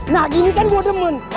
nunggu mereka semua